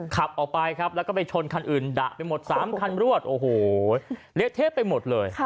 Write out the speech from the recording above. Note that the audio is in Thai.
ขับออกไปครับแล้วก็ไปชนคันอื่นดะไปหมด๓คันรวดโอ้โหเละเทะไปหมดเลย